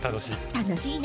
楽しいね！